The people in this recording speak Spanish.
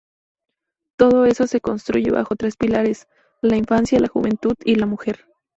Todo esto se construye bajo tres pilares: la infancia, la juventud y la mujer.